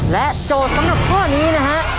โจทย์สำหรับข้อนี้นะฮะ